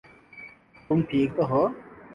تم ٹھیک تو ہو؟